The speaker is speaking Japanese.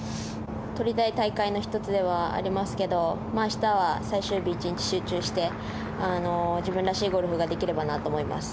とりたい大会の１つではありますけど明日は最終日１日、集中して自分らしいゴルフができればと思います。